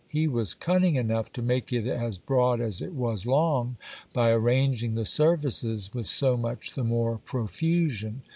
He was cunning enough to make it as broad as it was long, by arranging the services with so much the more profusion.